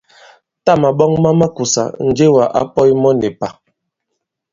Tâ màɓɔŋ ma makùsà, Njewà ǎ pɔ̄t mɔ nì pà.